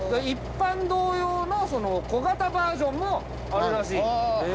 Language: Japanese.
一般道用の小型バージョンもあるらしい。